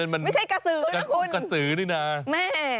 ไม่ใช่กะสือนะคุณแม่